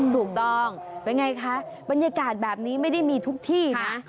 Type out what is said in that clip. ถูกต้องเป็นไงคะบรรยากาศแบบนี้ไม่ได้มีทุกที่นะ